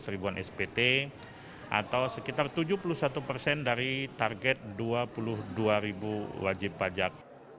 enam belas ribuan spt atau sekitar tujuh puluh satu persen dari target dua puluh dua ribu wajib pajak